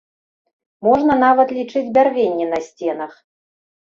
Можна нават лічыць бярвенні на сценах.